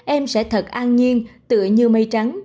em sẽ thật an nhiên tựa như mây trắng